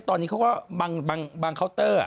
ตอนนี้เขาก็บางเคาน์เตอร์